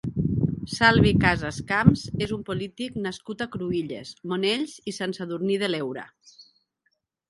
Salvi Casas Camps és un polític nascut a Cruïlles, Monells i Sant Sadurní de l'Heura.